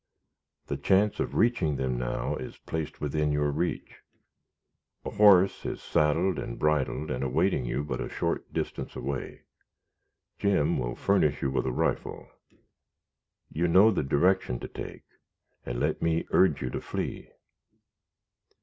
The chance of reaching them is now placed within your reach. A horse is saddled and bridled, and awaiting you, but a short distance away. Jim will furnish you with a rifle. You know the direction to take, and let me urge you to flee."